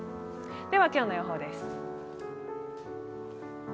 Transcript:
では今日の予報です。